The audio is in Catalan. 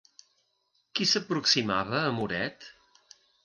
Qui s'aproximava a Muret?